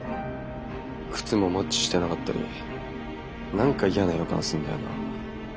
靴もマッチしてなかったり何か嫌な予感するんだよな。